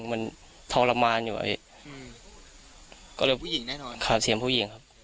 มันทรมานอยู่อืมผู้หญิงแน่นอนค่ะเสียงผู้หญิงครับ